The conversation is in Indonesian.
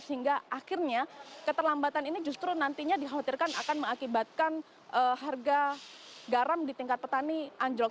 sehingga akhirnya keterlambatan ini justru nantinya dikhawatirkan akan mengakibatkan harga garam di tingkat petani anjlok